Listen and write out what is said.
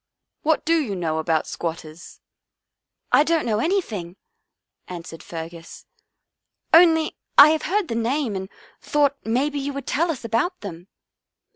What do you know about squatters?" " I don't know anything," answered Fergus. " Only I have heard the name and thought maybe you would tell us about them."